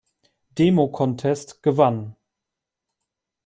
Demo-Contest" gewann.